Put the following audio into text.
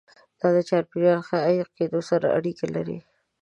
دا د چاپیریال ښه عایق کېدو سره اړیکه لري.